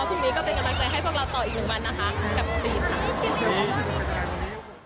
พรุ่งนี้ก็เป็นกำลังใจให้พวกเราต่ออีกหนึ่งวันนะคะกับฟิล์